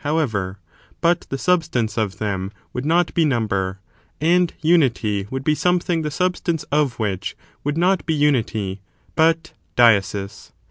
ever; but the substance of them would not be number, and unity would be something the substance of which would not be unity, but diesis.